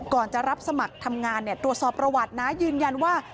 จะรับสมัครทำงานตรวจสอบประวัตินะยืนยันว่า